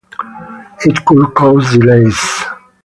It could cause delays.